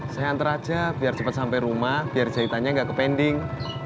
saya antar aja biar cepat sampai rumah biar jahitannya gak ke pending